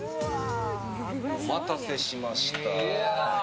お待たせしました。